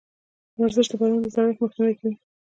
ورزش د بدن د زړښت مخنیوی کوي.